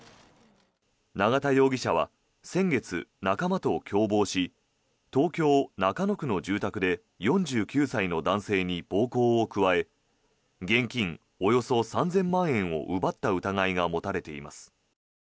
永田容疑者は先月、仲間と共謀し東京・中野区の住宅で４９歳の男性に暴行を加え現金およそ３０００万円を奪った疑いが持たれています。